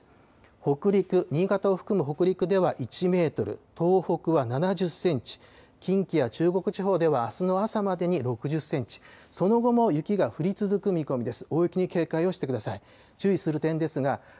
北陸、新潟を含む北陸では１メートル、東北は７０センチ、近畿や中国地方ではあすの朝までに６０センチ、その後も雪が降り続く見込みです。